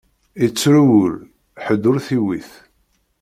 Ittru wul, ḥedd ur t-iwwit.